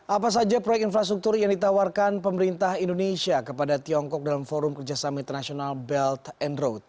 apa saja proyek infrastruktur yang ditawarkan pemerintah indonesia kepada tiongkok dalam forum kerjasama internasional belt and road